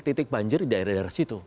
yang terlihat banjir di daerah daerah situ